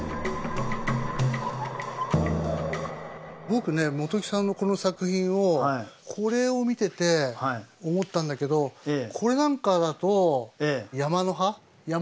僕ね本木さんのこの作品をこれを見てて思ったんだけどこれなんかだと山の端。